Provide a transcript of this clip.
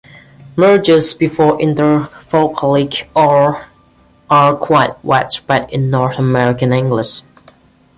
Mergers before intervocalic r are quite widespread in North American English.